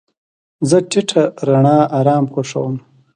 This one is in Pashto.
زه د ټیټه رڼا آرام خوښوم.